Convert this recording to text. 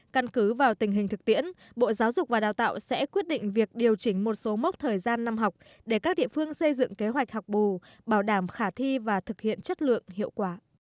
căn cứ vào tình hình thực tiễn bộ giáo dục và đào tạo sẽ quyết định việc điều chỉnh một số mốc thời gian năm học để các địa phương xây dựng kế hoạch học bù bảo đảm khả thi và thực hiện chất lượng hiệu quả